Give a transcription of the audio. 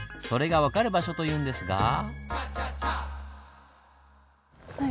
それが分かる場所というんですが。